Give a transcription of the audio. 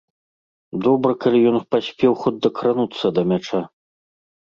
Добра калі ён паспеў хоць дакрануцца да мяча.